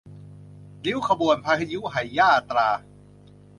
ริ้วขบวน พยุหยาตรา